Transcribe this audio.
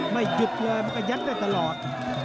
ไม่หยุดเลยมันก็ยัดได้ตลอด